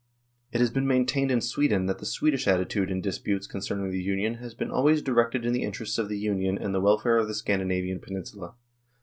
It has been maintained in Sweden that the Swedish attitude in disputes concerning the Union has been always directed in the interests of the Union and the welfare of the Scandinavian Peninsula.